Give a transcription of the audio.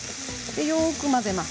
よく混ぜます。